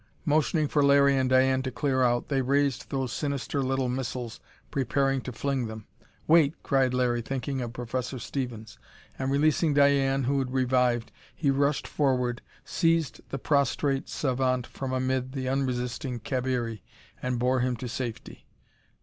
Motioning for Larry and Diane to clear out, they raised those sinister little missiles, prepared to fling them. "Wait!" cried Larry, thinking of Professor Stevens. And releasing Diane, who had revived, he rushed forward, seized the prostrate savant from amid the unresisting Cabiri, and bore him to safety.